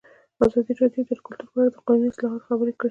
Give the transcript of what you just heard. ازادي راډیو د کلتور په اړه د قانوني اصلاحاتو خبر ورکړی.